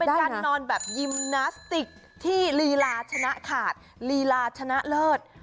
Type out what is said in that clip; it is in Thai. นอนแบบยิมนาสติกที่ลีลาชนะขาดลีลาชนะเลิศ